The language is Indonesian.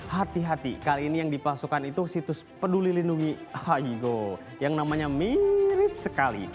hati hati kali ini yang dipalsukan itu situs peduli lindungi higo yang namanya mirip sekali